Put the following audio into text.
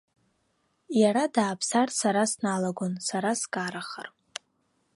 Иара дааԥсар, сара сналагон, сара скарахар.